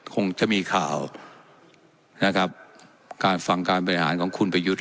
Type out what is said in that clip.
คงจะมีข่าวนะครับการฟังการบริหารของคุณประยุทธ์